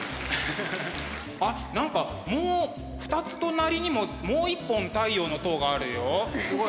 あっ何かもう２つ隣にももう一本「太陽の塔」があるよ。